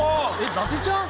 伊達ちゃん？